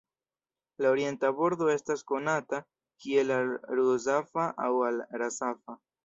La orienta bordo estas konata kiel Al-Rusafa aŭ Al-Rasafa.